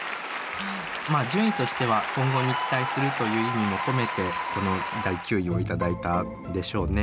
まあ順位としては今後に期待するという意味も込めてこの第９位を頂いたんでしょうね。